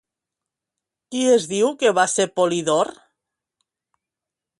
Qui es diu que va ser Polidor?